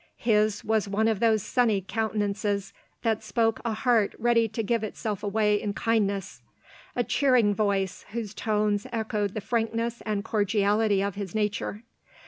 His was one of those sunny countenances that spoke a heart ready to give itself away in kindness ;— a cheering voice, whose tones echoed the frankness and cordiality of his nature.